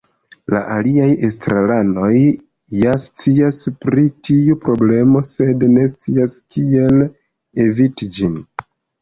La aliaj estraranoj ja scias pri tiu problemo, sed ne scias kiel eviti ĝin.